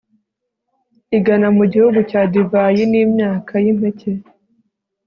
igana mu gihugu cya divayi n'imyaka y'impeke